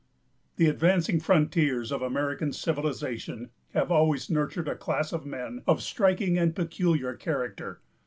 The advancing frontiers of American civilization have always nurtured a class of men of striking and peculiar character.